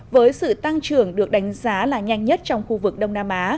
với sự tăng trưởng được đánh giá là nhanh nhất trong khu vực đông nam á